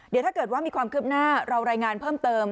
เดี๋ยวถ้าเกิดว่ามีความคืบหน้าเรารายงานเพิ่มเติม